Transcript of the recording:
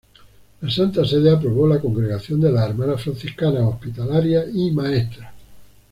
La Santa Sede aprobó la Congregación de las Hermanas Franciscanas Hospitalarias y Maestras.